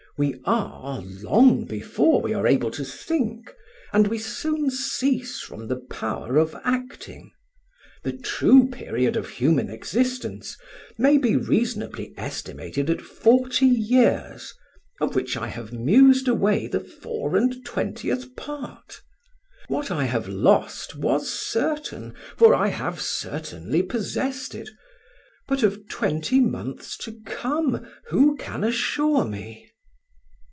We are long before we are able to think, and we soon cease from the power of acting. The true period of human existence may be reasonably estimated at forty years, of which I have mused away the four and twentieth part. What I have lost was certain, for I have certainly possessed it; but of twenty months to come, who can assure me?"